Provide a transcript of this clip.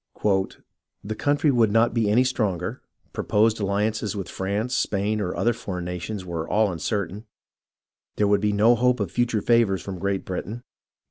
" The country would not be any stronger, proposed alliances with France, Spain, or other foreign nations were all uncertain. There would be no hope of future favours from Great Britain.